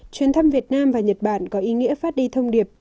chuyến thăm việt nam và nhật bản có ý nghĩa phát đi thông điệp